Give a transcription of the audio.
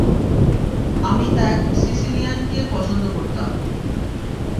আমি এক সিসিলিয়ানকে পছন্দ করতাম।